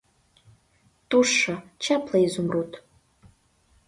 Тушшо — чапле изумруд